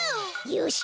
よし！